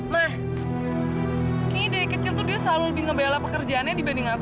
mah ini deh kecil tuh dia selalu lebih ngebelah pekerjaannya dibanding aku